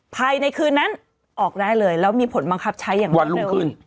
ภายในคืนนั้นออกได้เลยแล้วมีผลบังคับใช้อย่างรวดเร็วขึ้น